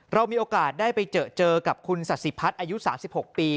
เรามีโอกาสได้ไปเจอกับคุณสัสสิพัฒน์อายุ๓๖ปี